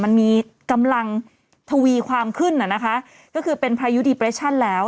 มันมีกำลังทวีความขึ้นน่ะนะคะก็คือเป็นพายุดีเปรชั่นแล้ว